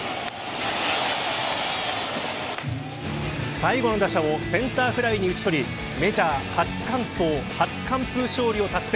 最後の打者をセンターフライに打ち取りメジャー初完投初完封勝利を達成。